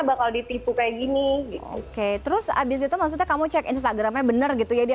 bakal ditipu kayak gini oke terus abis itu maksudnya kamu cek instagramnya bener gitu ya dia